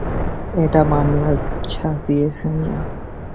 এটা মামলা সাজিয়েছ মিয়া!